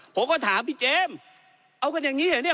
ผมก็ถามพี่เจมส์เอากันอย่างนี้เหรอเนี่ย